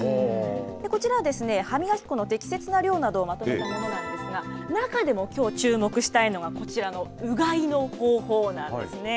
こちらですね、歯磨き粉の適切な量などをまとめたものなんですが、中でもきょう、注目したいのがうがいの方法なんですね。